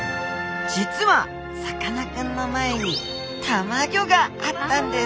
実はさかなクンの前にたまギョがあったんです！